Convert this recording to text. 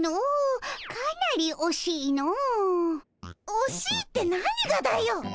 おしいって何がだよ。